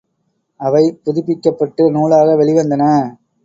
அவை புதுப்பிக்கப்பட்டு, நூலாக வெளிவந்தன.